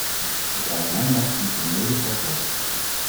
Ik houd mijn land hiervoor medeverantwoordelijk.